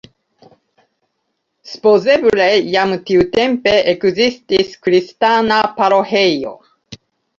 Supozeble jam tiutempe ekzistis kristana paroĥejo.